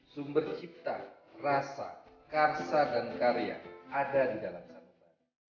sumber cipta rasa karsa dan karya ada di dalam sanuba